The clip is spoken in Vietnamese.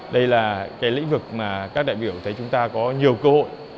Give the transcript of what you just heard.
đây là cái lĩnh vực mà các đại biểu thấy chúng ta có nhiều cơ hội